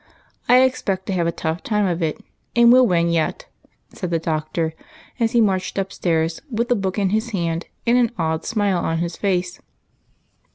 I expect to have a tough time of it, but we '11 win yet," said the Doctor, as he marched ujDstairs with the book in his hand, and an odd smile on his face.